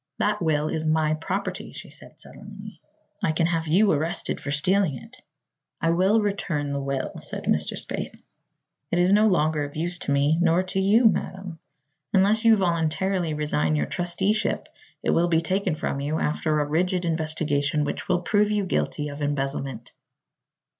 "That will is my property," she said sullenly. "I can have you arrested for stealing it." "I will return the will," said Mr. Spaythe. "It is no longer of use to me nor to you, madam. Unless you voluntarily resign your trusteeship it will be taken from you, after a rigid investigation which will prove you guilty of embezzlement."